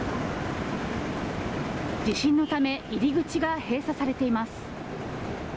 地震のため、入り口が閉鎖されています。